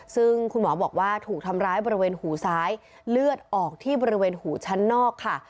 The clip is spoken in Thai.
ซึ่งคุณหมอบอกว่าถูกทำร้ายบริเวณหูซ้ายเลือดออกที่บริเวณหูชั้นนอกค่ะ